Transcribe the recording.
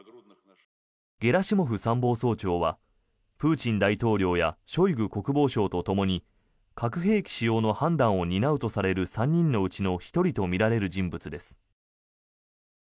ゲラシモフ参謀総長はプーチン大統領やショイグ国防相とともに核兵器使用の判断を担うとされる３人のうちの１人とみられる人物です。